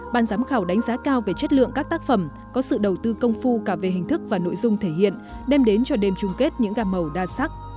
ban giám khảo đánh giá cao về chất lượng các tác phẩm có sự đầu tư công phu cả về hình thức và nội dung thể hiện đem đến cho đêm chung kết những gà màu đa sắc